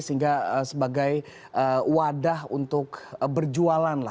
sehingga sebagai wadah untuk berjualan